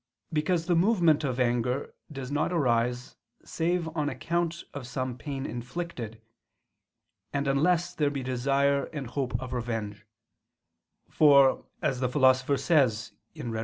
Because the movement of anger does not arise save on account of some pain inflicted, and unless there be desire and hope of revenge: for, as the Philosopher says (Rhet.